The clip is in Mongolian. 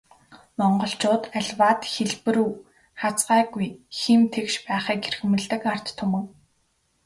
Монголчууд аливаад хэлбэрүү хазгайгүй, хэм тэгш байхыг эрхэмлэдэг ард түмэн.